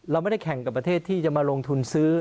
เราไม่ได้แข่งกับประเทศที่จะมาลงทุนซื้อ